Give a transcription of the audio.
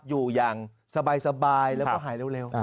อยู่อย่างสบายแล้วก็หายเร็ว